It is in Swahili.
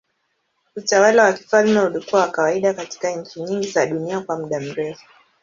Utawala wa kifalme ulikuwa wa kawaida katika nchi nyingi za dunia kwa muda mrefu.